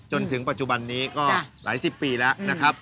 จนถึงปัจจุบันนี้ก็หลายสิบปีแล้วนะครับ